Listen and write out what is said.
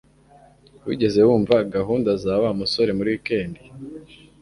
Wigeze wumva gahunda za Wa musore muri wikendi